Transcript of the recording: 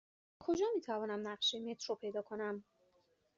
کجا می توانم نقشه مترو پیدا کنم؟